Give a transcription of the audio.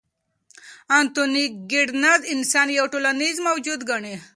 انتوني ګیدنز انسان یو ټولنیز موجود ګڼي.